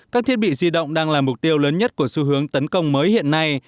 các thiết bị di động đang là mục tiêu lớn nhất của xu hướng tấn công mới hiện nay